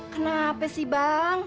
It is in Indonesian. kenapa sih bang